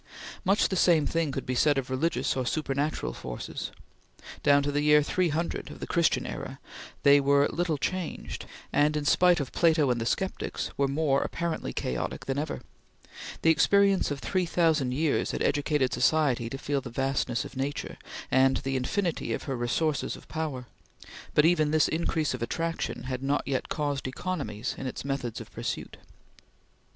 Much the same thing could be said of religious or supernatural forces. Down to the year 300 of the Christian era they were little changed, and in spite of Plato and the sceptics were more apparently chaotic than ever. The experience of three thousand years had educated society to feel the vastness of Nature, and the infinity of her resources of power, but even this increase of attraction had not yet caused economies in its methods of pursuit.